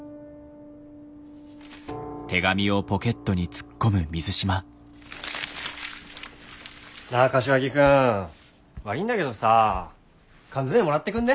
梱包完了！なぁ柏木君悪いんだけどさ缶詰もらってくんね？